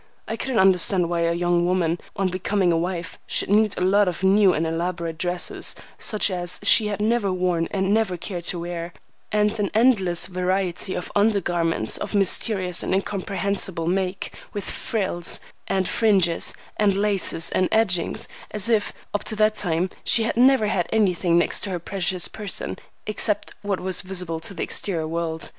I couldn't understand why a young woman, on becoming a wife, should need a lot of new and elaborate dresses, such as she had never worn and never cared to wear, and an endless variety of under garments of mysterious and incomprehensible make, with frills and fringes and laces and edgings, as if, up to that time, she had never had anything next to her precious person, except what was visible to the exterior world.